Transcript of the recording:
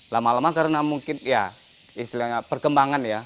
lama lama karena mungkin ya istilahnya perkembangan ya